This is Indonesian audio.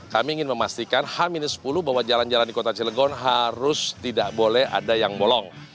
kami ingin memastikan h sepuluh bahwa jalan jalan di kota cilegon harus tidak boleh ada yang bolong